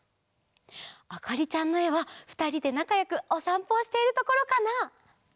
あかりちゃんのえはふたりでなかよくおさんぽをしているところかな？